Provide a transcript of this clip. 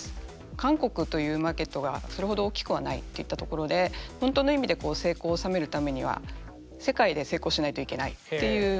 韓国というマーケットがそれほど大きくはないといったところで本当の意味で成功を収めるためには世界で成功しないといけないという。